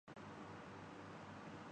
سوچتا رہا کہ کتنے خوش نصیب ہیں وہ مقامات